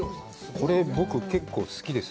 これ僕、結構好きです。